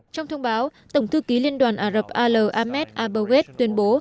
trong thông báo tổng thư ký liên đoàn ả rập al ahmed abowest tuyên bố